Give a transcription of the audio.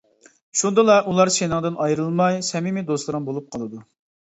شۇندىلا ئۇلار سېنىڭدىن ئايرىلماي، سەمىمىي دوستلىرىڭ بولۇپ قالىدۇ.